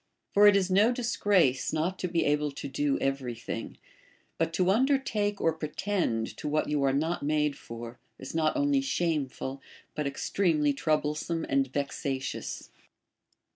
For it is no disgrace not to be able to do every thing ; but to undertake or pretend to what you are not made for is not only shameful, but ex ti'emely troublesome and vexatious.